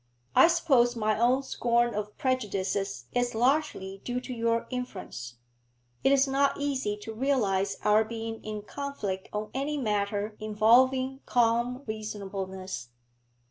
I suppose my own scorn of prejudices is largely due to your influence. It is not easy to realise our being in conflict on any matter involving calm reasonableness.'